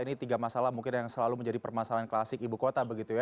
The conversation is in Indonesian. ini tiga masalah mungkin yang selalu menjadi permasalahan klasik ibu kota begitu ya